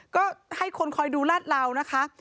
ก็ให้คนคอยดูลาดเหลานะคะ